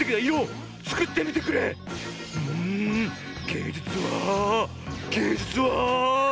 げいじゅつはげいじゅつは。